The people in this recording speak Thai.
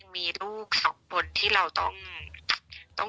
มีลูกที่เราต้อง